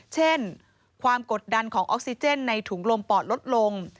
เช่นความกดดันของออกซิเจนในถุงลมปอดลดลง